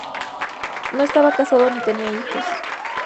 No estaba casado ni tenía hijos.